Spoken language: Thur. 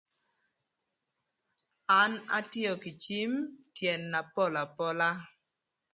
An atio kï cim tyën na pol apola.